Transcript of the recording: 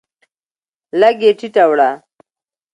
لږ یې ټیټه وړه